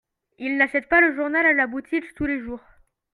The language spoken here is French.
Ils n'achètent pas le journal à la boutique tous les jours